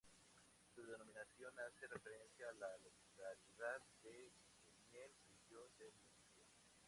Su denominación hace referencia a la localidad de Beniel, Región de Murcia.